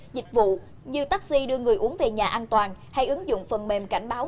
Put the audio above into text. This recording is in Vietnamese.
dịch vụ như taxi đưa người uống về nhà an toàn hay ứng dụng phần mềm cảnh báo